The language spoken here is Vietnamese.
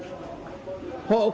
hộ khẩu không được cấp